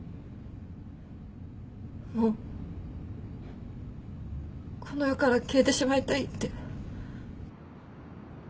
もうこの世から消えてしまいたいって。